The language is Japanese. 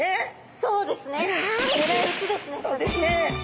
そうですね。